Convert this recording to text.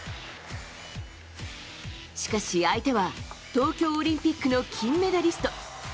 しかし相手は東京オリンピックの金メダリスト。